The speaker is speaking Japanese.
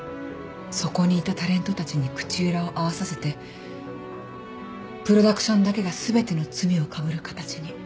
そこにいたタレントたちに口裏を合わさせてプロダクションだけが全ての罪をかぶる形に。